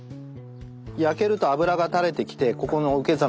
焼けると脂がたれてきてここの受け皿にたまる。